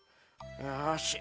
よし。